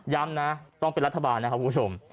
นะต้องเป็นรัฐบาลนะครับคุณผู้ชม